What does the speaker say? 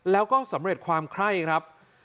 แล้วก็สำเร็จความไข้ครับ